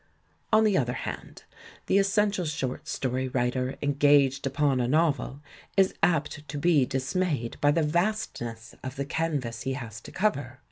On the other hand, the essential short story writer engaged upon a novel, is apt to be dis mayed by the vastness of the canvas he has to cover.